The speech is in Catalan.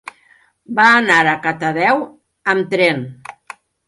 Va anar a Catadau amb tren.